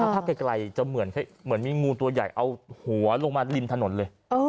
ภาพไกลจะเหมือนมีงูตัวใหญ่เอาหัวลงมาริมถนนเลย